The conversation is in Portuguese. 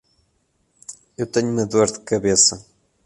Eu tenho uma dor de cabeça.